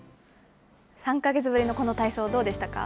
３か月ぶりのこの体操、どうでしたか。